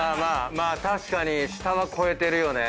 確かに舌は肥えてるよね。